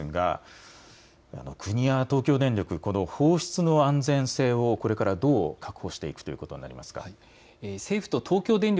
経済部の山田記者に聞きますが国や東京電力、この放出の安全性をこれからどう確保していくということになりますか。